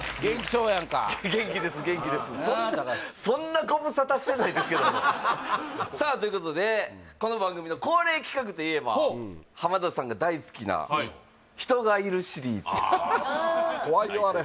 そんなそんなご無沙汰してないですけどもさあということでこの番組の恒例企画といえばほう浜田さんが大好きなはい怖いよあれ